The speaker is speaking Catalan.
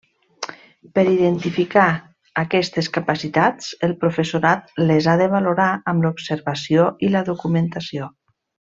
Per identificar aquestes capacitats, el professorat les ha de valorar amb l'observació i la documentació.